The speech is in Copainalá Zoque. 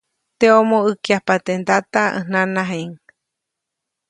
Teʼomo ʼäkyajpa teʼ ndata ʼäj nanajiʼŋ.